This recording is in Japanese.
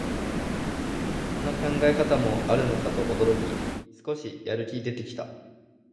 そんな考え方もあるのかと驚き、少しやる気出てきた